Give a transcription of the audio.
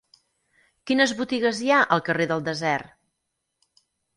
Quines botigues hi ha al carrer del Desert?